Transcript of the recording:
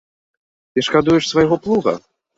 Ты шкадуеш свайго плуга?